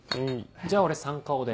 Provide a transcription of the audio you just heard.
じゃあ俺サンカオで。